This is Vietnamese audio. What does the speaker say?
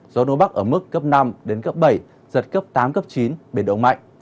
gió đông bắc ở mức cấp năm bảy giật gấp tám chín biển độ mạnh